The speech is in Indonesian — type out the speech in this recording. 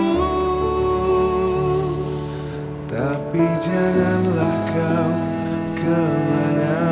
walau pasti ku terbakar jamburu